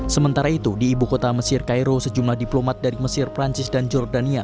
sementara itu di ibu kota mesir cairo sejumlah diplomat dari mesir perancis dan jordania